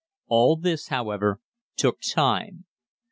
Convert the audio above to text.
All this, however, took time.